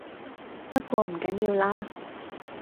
不過唔緊要啦